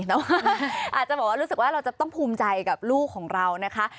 แต่ว่าอาจจะบอกว่ารู้สึกว่าเราจะต้องภูมิใจกับลูกของเรานะคะ